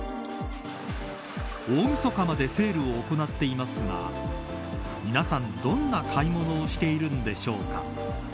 大みそかまでセールを行っていますが皆さん、どんな買い物をしているんでしょうか。